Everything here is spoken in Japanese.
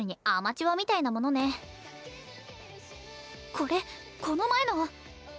これこの前の！